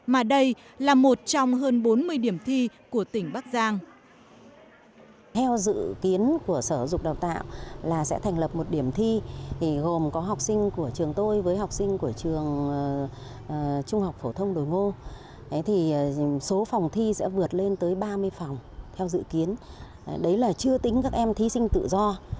mà đây là một trong hơn bốn mươi điểm thi của tỉnh bắc giang